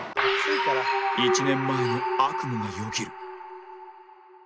１年前の悪夢がよぎる